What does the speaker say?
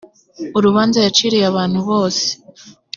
urubanza yaciriye abantu bose